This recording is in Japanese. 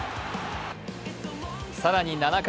更に７回。